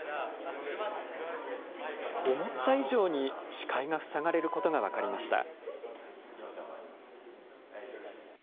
思った以上に視界が塞がれることが分かりました。